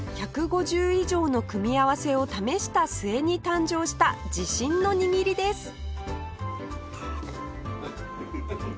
１５０以上の組み合わせを試した末に誕生した自信の握りです